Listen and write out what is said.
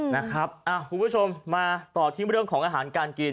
นะครับอ่ะผู้ชมมาต่อทิ้งไปเรื่องของอาหารการกิน